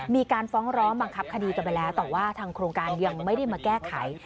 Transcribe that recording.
มีการฟ้องร้องบังคับคดีกันไปแล้วแต่ว่าทางโครงการยังไม่ได้มาแก้ไข